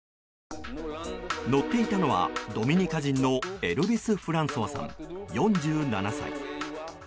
乗っていたのはドミニカ人のエルビス・フランソワさん４７歳。